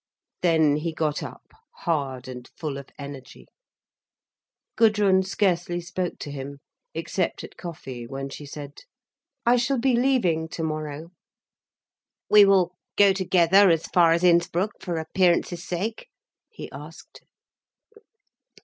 Then he got up, hard and full of energy. Gudrun scarcely spoke to him, except at coffee when she said: "I shall be leaving tomorrow." "We will go together as far as Innsbruck, for appearance's sake?" he asked.